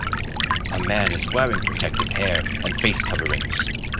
A man is wearing protective hair and face coverings.